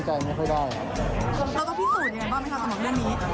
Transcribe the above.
ทำเพลงไม่ได้เยอะเปิดตามไฟล์ไม่ได้อยู่